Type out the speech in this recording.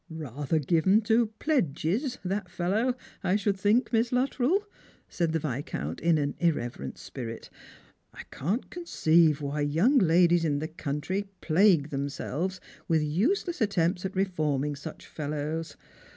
" Rather given to pledges, that fellow, I should think, Miss Luttrell," said the Yiscouut, in an irreverent spirit. " I can't conceive why young ladies in the country plague themselves with useless attempts at reforming such fellows.